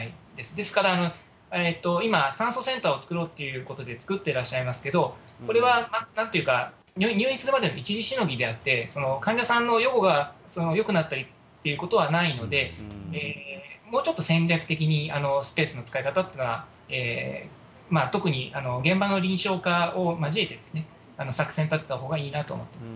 ですから、今、酸素センターを作ろうということで作ってらっしゃいますけど、これはなんていうか、入院するまでの一時しのぎであって、患者さんの予後がよくなったりっていうことはないので、もうちょっと戦略的に、スペースの使い方というのは、特に現場の臨床家を交えて作戦を立てたほうがいいなと思ってます。